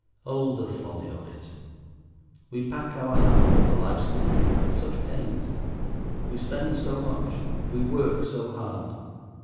Oh! the folly of it. We pack our hamper for life's picnic with such pains. We spend so much, we work so hard.